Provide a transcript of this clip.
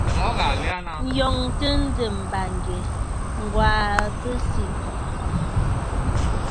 Ǹyòŋtə njɨm bàŋgyɛ̀, Ŋ̀gwaa Besǐkɔ̀ʼɔ̀.